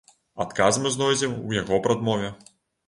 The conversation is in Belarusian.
Адказ мы знойдзем у яго прадмове.